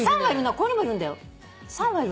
ここにもいるんだよ。